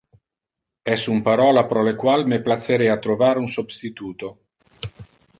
Es un parola pro le qual me placerea trovar un substituto.